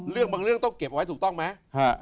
เรื่องบางเรื่องต้องเก็บไว้ถูกต้องไหม